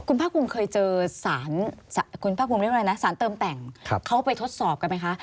คุณภาครุมเคยเจอสารเขาไปทดสอบกันไหมคะ